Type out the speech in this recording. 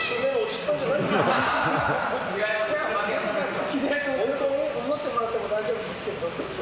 知り合いと思ってもらっても大丈夫ですけど。